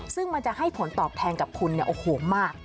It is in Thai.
ซึ่งมันจะให้ผลตอบแทนกับคุณเนี่ยโอ้โหมาก